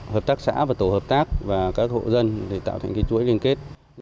hợp tác xã và tổ hợp tác và các hộ dân để tạo thành chuỗi liên kết